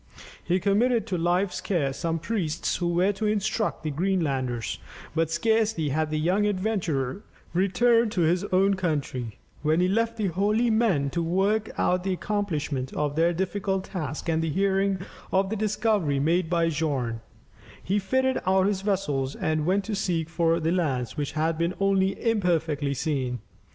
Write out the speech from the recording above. He committed to Leif's care some priests who were to instruct the Greenlanders; but scarcely had the young adventurer returned to his own country, when he left the holy men to work out the accomplishment of their difficult task and hearing of the discovery made by Bjarn, he fitted out his vessels and went to seek for the lands which had been only imperfectly seen.